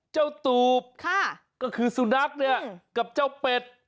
เจ้าตูบก็คือซูนักเนี่ยกับเจ้าเป็ด